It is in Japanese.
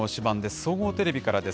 総合テレビからです。